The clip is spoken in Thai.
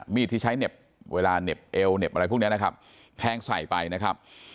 มีดที่ใช้เหน็บเวลาเหน็บเอวเหน็บอะไรพวกนี้นะครับแทงใส่ไปนะครับ